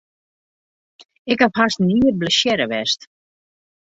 Ik haw hast in jier blessearre west.